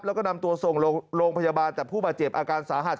แล้วก็นำตัวส่งโรงพยาบาลแต่ผู้บาดเจ็บอาการสาหัส